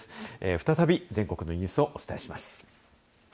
再び全国のニュースをお伝えします。